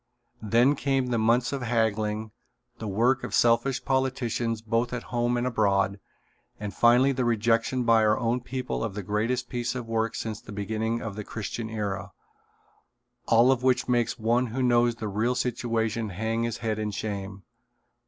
Then came the months of haggling, the work of selfish politicians both at home and abroad, and finally the rejection by our own people of the greatest piece of work since the beginning of the Christian era, all of which makes one who knows the real situation hang his head in shame.